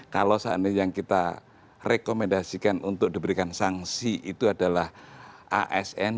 kalau saat ini yang kita rekomendasikan untuk diberikan sanksi itu adalah asn